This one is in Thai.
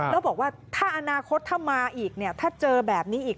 แล้วบอกว่าถ้าอนาคตถ้ามาอีกเนี่ยถ้าเจอแบบนี้อีก